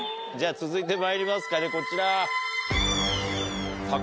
続いてまいりますかねこちら。